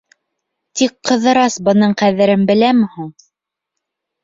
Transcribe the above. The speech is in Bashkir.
Тик Ҡыҙырас бының ҡәҙерен беләме һуң?